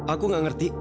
aku tidak mengerti